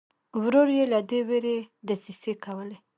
ورور یې له دې وېرې دسیسې کولې.